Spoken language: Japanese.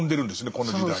この時代に。